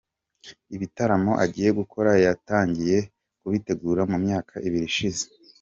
Ibitaramo agiye gukora yatangiye kubitegura mu myaka ibiri ishize.